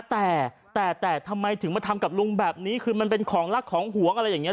แต่แต่แต่ทำไมถึงมาทำกับลุงแบบนี้คือมันเป็นของรักของหวงอะไรอย่างนี้